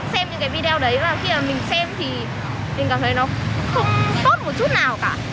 xem những cái video đấy và khi mà mình xem thì mình cảm thấy nó không tốt một chút nào cả